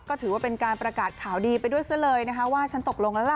ก็ถือว่าเป็นการประกาศข่าวดีไปด้วยซะเลยนะคะว่าฉันตกลงแล้วล่ะ